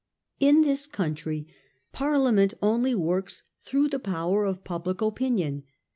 In this country, Parliament only works through the power of public opinion.